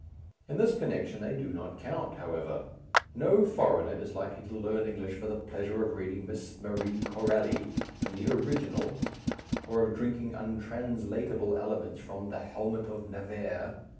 In this connection they do not count, however; no foreigner is likely to learn English for the pleasure of reading Miss Marie Corelli in the original, or of drinking untranslatable elements from The Helmet of Navarre.